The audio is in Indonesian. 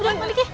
udah mandik ya